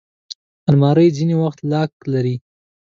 الماري ځینې وخت لاک لري